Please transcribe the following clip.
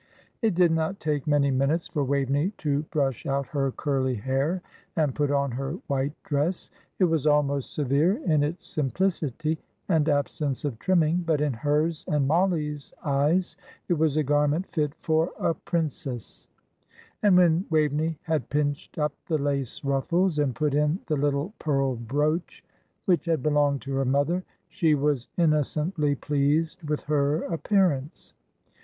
It did not take many minutes for Waveney to brush out her curly hair and put on her white dress. It was almost severe in its simplicity and absence of trimming, but in hers and Mollie's eyes it was a garment fit for a princess; and when Waveney had pinched up the lace ruffles, and put in the little pearl brooch which had belonged to her mother she was innocently pleased with her appearance.